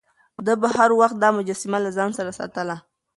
ده به هر وخت دا مجسمه له ځان سره ساتله.